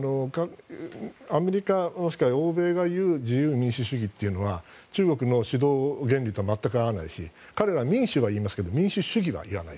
アメリカ、もしくは欧米が言う自由民主主義というのは中国の指導原理と全く合わないし彼ら、民主とは言いますが民主主義とは言わない。